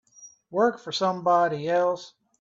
Work for somebody else.